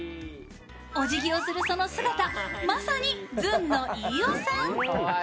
おじぎをするその姿、まさにずんの飯尾さん。